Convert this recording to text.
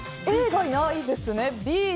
Ａがいないですね。